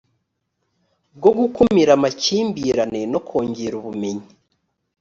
bwo gukumira amakimbirane no kongera ubumenyi